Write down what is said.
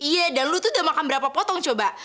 iya dan lu tuh udah makan berapa potong coba